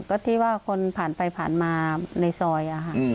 ก็ที่ว่าคนผ่านไปผ่านมาในซอย